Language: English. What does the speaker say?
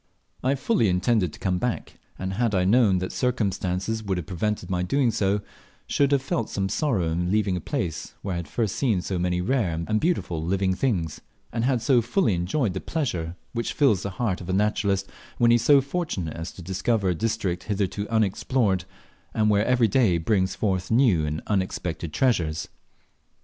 I fully intended to come back; and had I known that circumstances would have prevented my doing so, shoed have felt some sorrow in leaving a place where I had first seen so many rare and beautiful living things, and bad so fully enjoyed the pleasure which fills the heart of the naturalist when he is so fortunate as to discover a district hitherto unexplored, and where every day brings forth new and unexpected treasures.